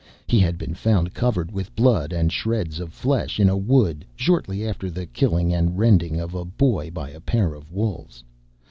He had been found covered with blood and shreds of flesh in a wood, shortly after the killing and rending of a boy by a pair of wolves.